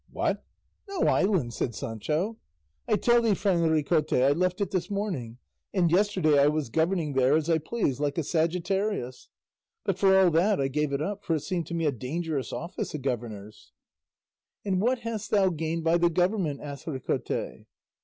"What? No islands!" said Sancho; "I tell thee, friend Ricote, I left it this morning, and yesterday I was governing there as I pleased like a sagittarius; but for all that I gave it up, for it seemed to me a dangerous office, a governor's." "And what hast thou gained by the government?" asked Ricote.